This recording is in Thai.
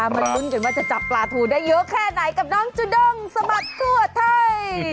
มาลุ้นกันว่าจะจับปลาทูได้เยอะแค่ไหนกับน้องจูด้งสะบัดทั่วไทย